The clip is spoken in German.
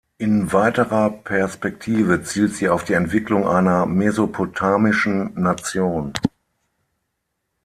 In weiterer Perspektive zielt sie auf die Entwicklung einer mesopotamischen Nation.